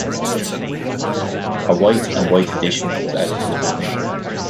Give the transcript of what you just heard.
A Wight and Wight addition was added to the building.